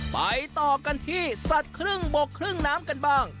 ไปต่อกันที่สัตว์ครึ่งบกครึ่งน้ำกันบ้าง